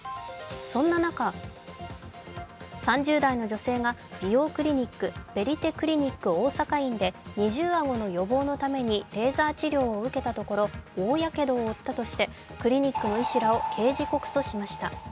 そんな中、３０代の女性が美容クリニックヴェリテクリニック大阪院で二重顎の予防のためにレーザ治療を受けたところ、大やけどを負ったとしてクリニックの医師らを刑事告訴しました。